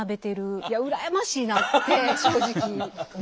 いや羨ましいなって正直思いました。